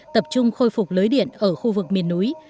tập trung khôi phục lưới điện ở khu vực miền núi